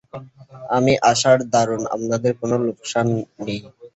আমি আসার দরুন আপনাদের কোনোরকম লোকসান নেই?